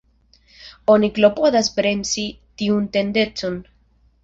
Oni klopodas bremsi tiun tendencon.